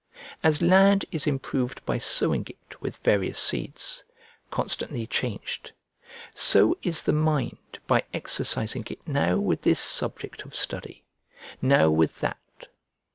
As land is improved by sowing it with various seeds, constantly changed, so is the mind by exercising it now with this subject of study, now with that.